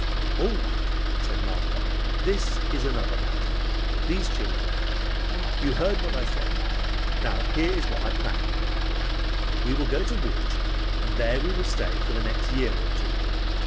"All right," said Martha. "This is another matter; these children. You heard what I said. Now here is what I plan. We will go to Lodz and there we will stay for the next year or two.